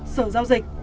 sở giao dịch